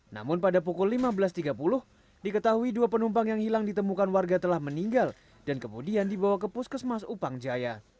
namun pada pukul lima belas tiga puluh diketahui dua penumpang yang hilang ditemukan warga telah meninggal dan kemudian dibawa ke puskesmas upang jaya